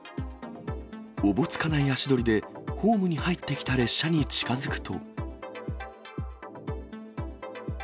おぼつかない足取りで、ホームに入ってきた列車に近づくと。